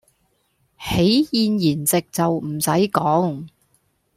喜宴筵席就唔使講